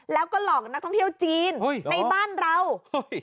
แล้วก็หลอกนักท่องเที่ยวจีนในบ้านเราเฮ้ย